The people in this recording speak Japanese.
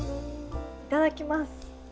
いただきます。